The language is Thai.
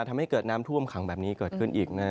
ทำให้เกิดน้ำท่วมขังแบบนี้เกิดขึ้นอีกนะ